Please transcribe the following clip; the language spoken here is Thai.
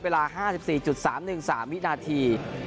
เวลา๕๔๓๑๓วินาที